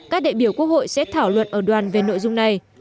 các đại biểu quốc hội sẽ thảo luận ở đoàn về nội dung này